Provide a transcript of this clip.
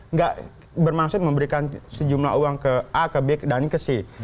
nggak bermaksud memberikan sejumlah uang ke a ke b dan ke c